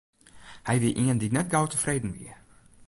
Hja wie ien dy't net gau tefreden wie.